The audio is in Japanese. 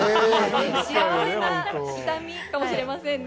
幸せな痛みかもしれませんね。